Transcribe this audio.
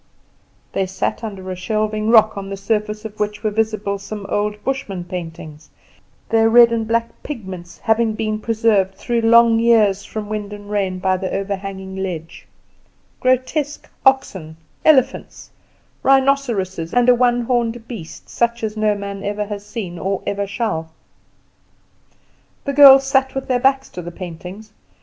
They sat under a shelving rock, on the surface of which were still visible some old Bushman paintings, their red and black pigments having been preserved through long years from wind and rain by the overhanging ledge; grotesque oxen, elephants, rhinoceroses, and a one horned beast, such as no man ever has seen or ever shall. The girls sat with their backs to the paintings.